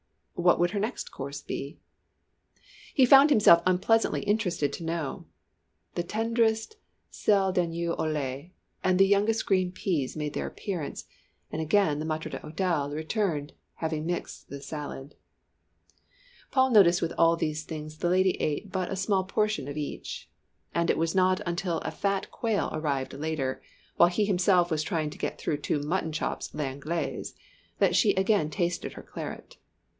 What would her next course be? He found himself unpleasantly interested to know. The tenderest selle d'agneau au lait and the youngest green peas made their appearance, and again the maître d'hôtel returned, having mixed the salad. Paul noticed with all these things the lady ate but a small portion of each. And it was not until a fat quail arrived later, while he himself was trying to get through two mutton chops à l'anglaise, that she again tasted her claret.